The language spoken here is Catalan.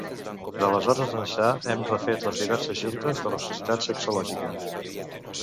D'aleshores ençà, hem refet les diverses juntes de la societat sexològica